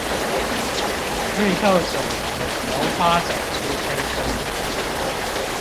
綠豆種子萌發長出胚根